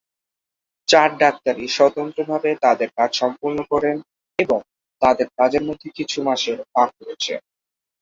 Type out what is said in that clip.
চার ডাক্তারি স্বতন্ত্রভাবে তাদের কাজ সম্পূর্ণ করেন এবং তারা তাদের কাজের মধ্যে কিছু মাসের ফাঁক রয়েছে।